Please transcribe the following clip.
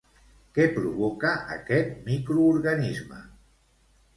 Què provoca aquest microorganisme?